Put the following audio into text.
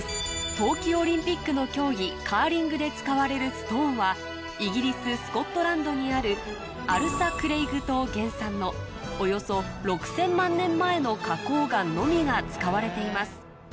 冬季オリンピックの競技カーリングで使われるストーンはイギリススコットランドにあるアルサクレイグ島原産のおよそ６０００万年前の花こう岩のみが使われています